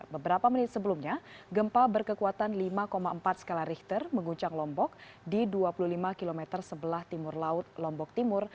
beberapa menit sebelumnya gempa berkekuatan lima empat skala richter mengguncang lombok di dua puluh lima km sebelah timur laut lombok timur